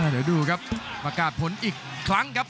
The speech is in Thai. เดี๋ยวดูครับประกาศผลอีกครั้งครับ